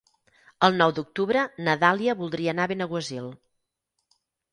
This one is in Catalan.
El nou d'octubre na Dàlia voldria anar a Benaguasil.